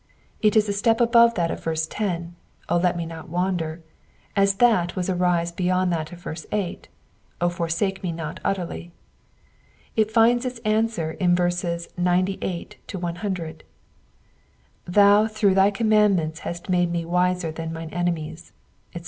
It is a step abo^'e that of verse 10, *' O let me not wander," as that was a rise beyond that of 8, '^ O forsake me not utterly.*' It finds its answer in verses 98 — 100 :'' Thou through thy commandments hast made me wiser than mine enemies," etc.